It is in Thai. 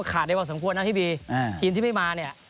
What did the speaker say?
ขาดได้พอสมควรนะพี่บีทีมที่ไม่มาเนี่ย